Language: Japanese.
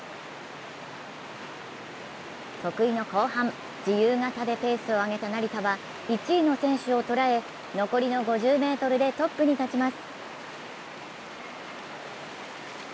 得意の後半、自由形でペースを上げた成田は１位の選手をとらえ、残りの５０ｍでトップに立ちます。